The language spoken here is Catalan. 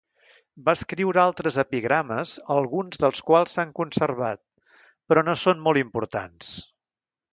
Va escriure altres epigrames alguns dels quals s'han conservat, però no són molt importants.